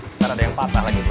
nggak ada yang patah lagi bro